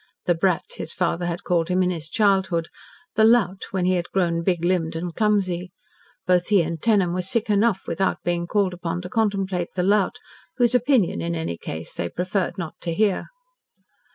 "The Brat," his father had called him in his childhood, "The Lout," when he had grown big limbed and clumsy. Both he and Tenham were sick enough, without being called upon to contemplate "The Lout," whose opinion, in any case, they preferred not to hear.